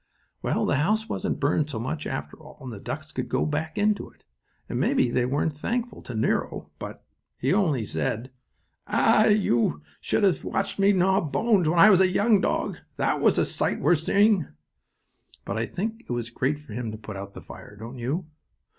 Well, the house wasn't burned so much after all, and the ducks could go back into it. And maybe they weren't thankful to Nero, but he only said: "Ah, you should have watched me gnaw bones when I was a young dog. That was a sight worth seeing." But I think it was great for him to put out the fire, don't you?